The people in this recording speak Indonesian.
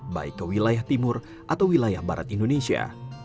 baik ke wilayah timur atau wilayah barat indonesia